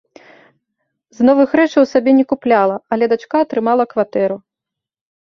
З новых рэчаў сабе не купляла, але дачка атрымала кватэру.